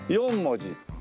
４文字。